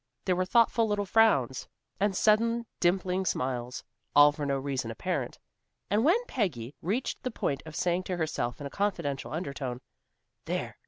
There were thoughtful little frowns, and sudden dimpling smiles, all for no reason apparent. And when Peggy reached the point of saying to herself in a confidential undertone, "There!